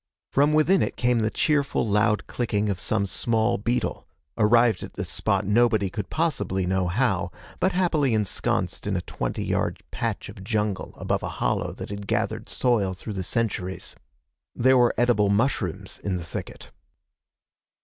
From within it came the cheerful loud clicking of some small beetle, arrived at this spot nobody could possibly know how, but happily ensconced in a twenty yard patch of jungle above a hollow that had gathered soil through the centuries. There were edible mushrooms in the thicket.